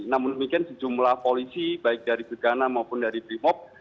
namun mungkin sejumlah polisi baik dari begana maupun dari primob